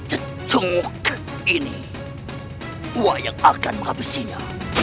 cetung banget ini wayang akan menghabisinya